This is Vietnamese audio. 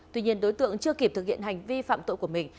tuy nhiên đối tượng chưa kịp thực hiện hành vi phạm tội của mình